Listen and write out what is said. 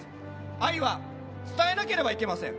愛は伝えなければいけません。